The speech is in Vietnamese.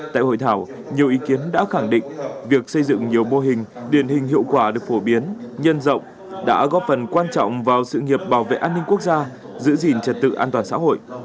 tại hội thảo nhiều ý kiến đã khẳng định việc xây dựng nhiều mô hình điển hình hiệu quả được phổ biến nhân rộng đã góp phần quan trọng vào sự nghiệp bảo vệ an ninh quốc gia giữ gìn trật tự an toàn xã hội